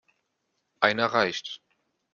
Einer reicht.